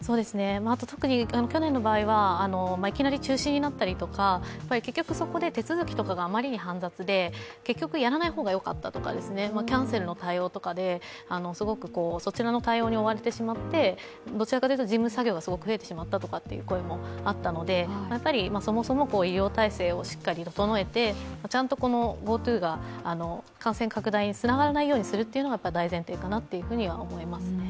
特に去年の場合はいきなり中止になったりとか、結局、そこで手続きとかがあまりに煩雑で結局やらない方がよかったとかキャンセルの対応に追われてしまって、どちからというと事務作業がすごく増えてしまったという声もあったので、やっぱりそもそも医療体制をしっかり整えて、ちゃんとＧｏＴｏが感染拡大につながらないようにするというのが大前提かと思いますね。